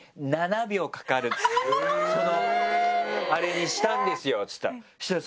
「そのあれにしたんですよ」っつったのそしたらさ。